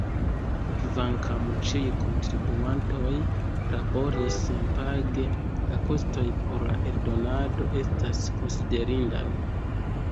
Kvankam ĉiuj kontribuantoj laboris senpage, la kostoj por la eldonado estas konsiderindaj.